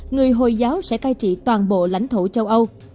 người hồi giáo sẽ cai trị toàn bộ lãnh thổ châu âu